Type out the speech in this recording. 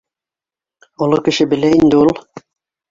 — Оло кеше белә инде ул